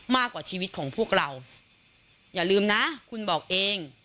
มากกว่าชีวิตของพวกเราอย่าลืมนะคุณบอกเอง